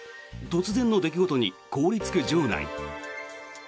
突然の出来事に凍りつく場内。